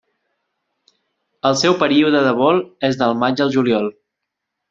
El seu període de vol és del maig al juliol.